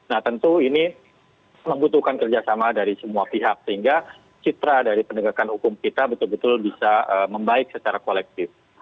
nah tentu ini membutuhkan kerjasama dari semua pihak sehingga citra dari penegakan hukum kita betul betul bisa membaik secara kolektif